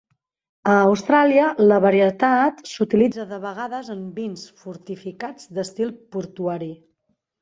A Austràlia, la varietat s'utilitza de vegades en vins fortificats d'estil portuari.